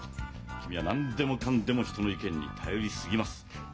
君は何でもかんでも人の意見に頼り過ぎます。